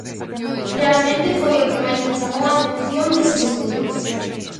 Realmente foi o que máis me chamou a atención deses estudos.